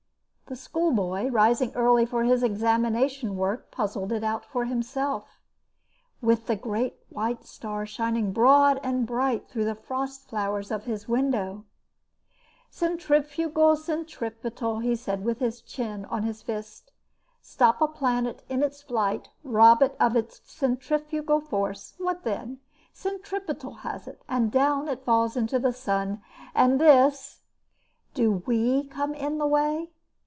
The schoolboy, rising early for his examination work, puzzled it out for himself with the great white star, shining broad and bright through the frost flowers of his window. "Centrifugal, centripetal," he said, with his chin on his fist. "Stop a planet in its flight, rob it of its centrifugal force, what then? Centripetal has it, and down it falls into the sun! And this !" "Do we come in the way?